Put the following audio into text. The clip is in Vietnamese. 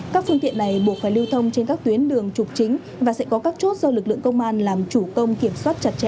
các phương tiện này buộc phải lưu thông trên các tuyến đường trục chính và sẽ có các chốt do lực lượng công an làm chủ công kiểm soát chặt chẽ